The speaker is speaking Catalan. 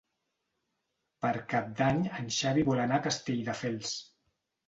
Per Cap d'Any en Xavi vol anar a Castelldefels.